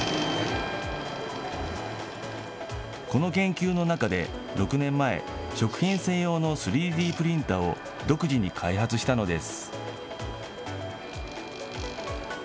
この研究の中で、６年前、食品専用の３Ｄプリンターを独自に開発したのです。